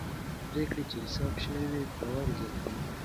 پرېکړې چې حساب شوي وي باور زیاتوي